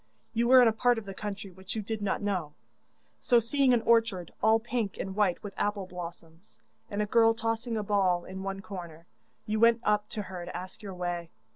You were in a part of the country which you did not know, so seeing an orchard all pink and white with apple blossoms, and a girl tossing a ball in one corner, you went up to her to ask your way.